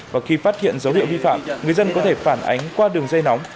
và khi phát hiện dấu hiệu vi phạm người dân có thể phản ánh qua đường dây nóng